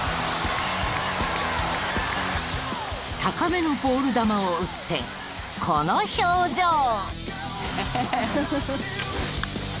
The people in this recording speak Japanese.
高めのボール球を打ってこの表情。